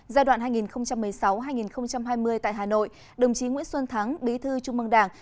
giai đoạn hai nghìn một mươi sáu hai nghìn hai mươi tại hà nội đồng chí nguyễn xuân thắng bí thư trung mương đảng